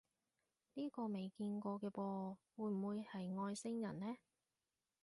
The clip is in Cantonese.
呢個未見過嘅噃，會唔會係外星人呢？